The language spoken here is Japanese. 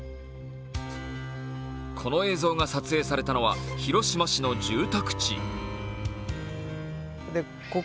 この映像が撮影されたのは広島市の住宅地。